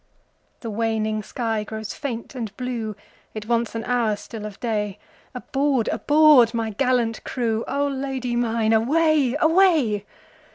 The waning sky grows faint and blue, It wants an hour still of day, Aboard! aboard! my gallant crew,O Lady mine away! away!